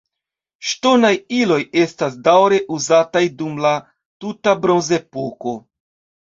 Ŝtonaj iloj estas daŭre uzataj dum la tuta bronzepoko.